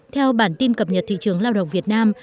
theo bản tin cập nhật thị trường lao động việt nam